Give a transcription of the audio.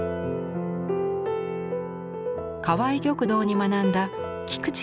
川合玉堂に学んだ菊池